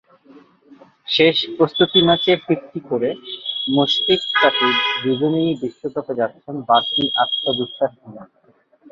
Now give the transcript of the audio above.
শেষ প্রস্তুতি ম্যাচে ফিফটি করে মুশফিক-সাকিব দুজনই বিশ্বকাপে যাচ্ছেন বাড়তি আত্মবিশ্বাস নিয়ে।